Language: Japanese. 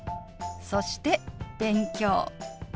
そして「勉強」。